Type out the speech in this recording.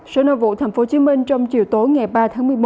sở nội vụ tp hcm trong chiều tối ngày ba tháng một mươi một